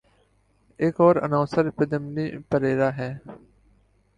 ایک اور اناؤنسر پدمنی پریرا ہیں۔